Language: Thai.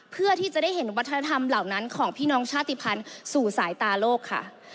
เพื่อที่จะได้เห็นวัฒนธรรมเหล่านั้นของพี่น้องชาติภัณฑ์สู่สายตาโลกค่ะ